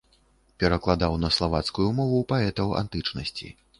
Перакладаў на славацкую мову паэтаў антычнасці.